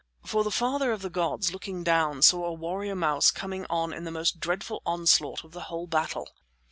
For the father of the gods, looking down, saw a warrior mouse coming on in the most dreadful onslaught of the whole battle.